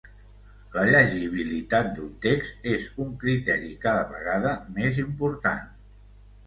La llegibilitat d'un text és un criteri cada vegada més important.